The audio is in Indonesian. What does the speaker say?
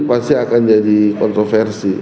pasti akan jadi kontroversi